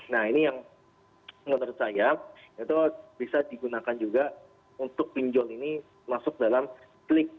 nah ini yang menurut saya itu bisa digunakan juga untuk pinjol ini masuk dalam klik